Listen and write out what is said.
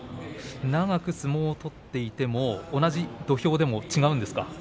長く相撲を取っていても同じ土俵でも違うんですか。